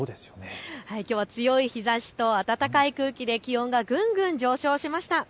きょうは強い日ざしと暖かい空気で気温がぐんぐん上昇しました。